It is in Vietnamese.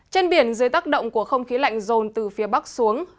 trên biển dưới tác động của không khí lạnh rồn từ phía bắc xuống